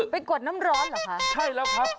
กดน้ำร้อนเหรอคะใช่แล้วครับ